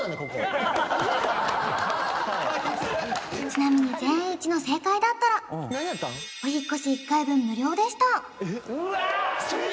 ちなみに全員一致の正解だったらお引っ越し１回分無料でした・うわやっば！